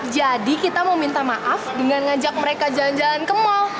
jadi kita mau minta maaf dengan ngajak mereka jalan jalan ke mall